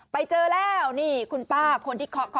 ไปเจอแล้วนี่คุณป้าคนที่เคาะคอ